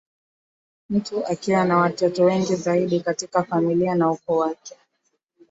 mtu akiwa na watoto wengi zaidi katika familia na ukoo wake